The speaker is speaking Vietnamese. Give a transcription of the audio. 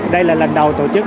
đây là lần đầu tổ chức